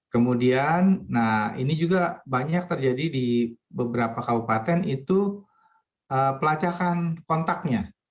kemudian nah ini juga banyak terjadi di beberapa kabupaten itu pelacakan kontaknya